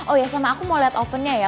oh ya sama aku mau lihat ovennya ya